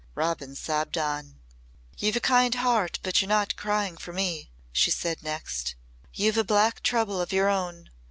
Robin sobbed on. "You've a kind heart, but you're not crying for me," she said next. "You've a black trouble of your own.